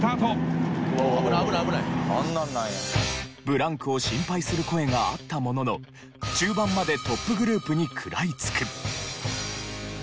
ブランクを心配する声があったものの中盤までトップグループに食らいつく。